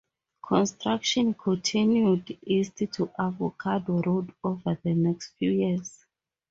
Construction continued east to Avocado Road over the next few years.